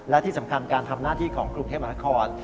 และที่สำคัญการทำหน้าที่ของกรุงเทพมหานคร